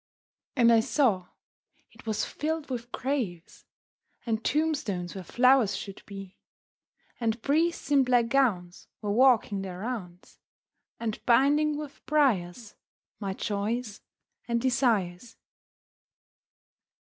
And I saw it was filled with graves, And tombstones where flowers should be; And priests in black gowns were walking their rounds, And binding with briars my joys and desires.